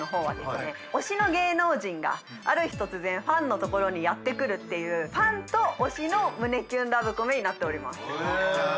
は推しの芸能人がある日突然ファンの所にやってくるっていうファンと推しの胸キュンラブコメになっております。